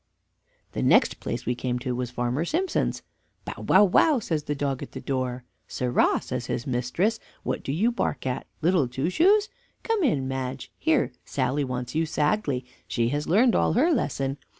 The next place we came to was Farmer Simpson's. "Bow, wow, wow," says the dog at the door. "Sirrah," says his mistress, "what do you bark at Little Two Shoes? come in, Madge; here, Sally wants you sadly, she has learned all her lesson."